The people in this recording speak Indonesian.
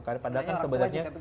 karena padahal kan sebetulnya